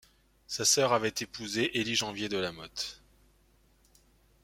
Sa sœur avait épousé Élie Janvier de La Motte.